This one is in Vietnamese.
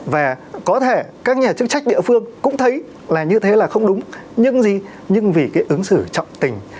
và có thể các nhà chức trách địa phương cũng thấy là như thế là không đúng nhưng gì nhưng vì cái ứng xử trọng tình